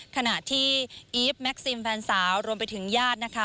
ขณะที่อีฟแม็กซิมแฟนสาวรวมไปถึงญาตินะคะ